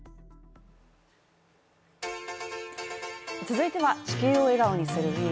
続いては、「地球を笑顔にするＷＥＥＫ」。